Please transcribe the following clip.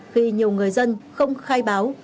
khi nhiều người dân không khai báo